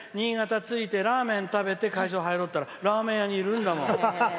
着いてラーメン食べて会場に入ろうっつたらラーメン屋にいるんだもん。